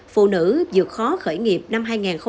phụ nữ dược khó khởi nghiệp năm hai nghìn hai mươi